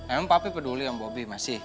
emang papi peduli sama bobi masih